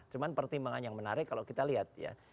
cuma pertimbangan yang menarik kalau kita lihat ya